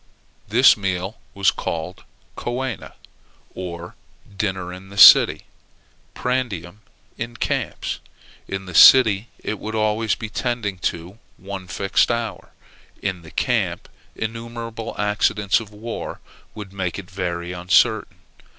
This meal was called coena, or dinner in the city prandium in camps. In the city it would always be tending to one fixed hour. In the camp innumerable accidents of war would make it very uncertain.